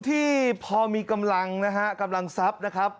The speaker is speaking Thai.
ที่พอมีกำลังนะฮะกำลังทรัพย์นะครับ